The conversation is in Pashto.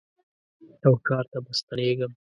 او ښار ته به ستنېږم